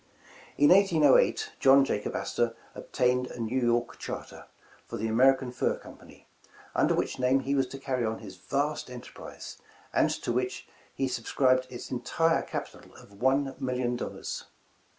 In 1808, John Jacob Astor obtained a New York Charter, for the American Fur Companj^, under which name he was to carry on his vast enterprise, and to which lie subscribed its entire capital of one million dollars.